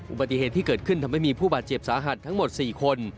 อุบัติเหตุที่เกิดขึ้นทำให้มีผู้บาดเจ็บสาหัสทั้งหมด๔คน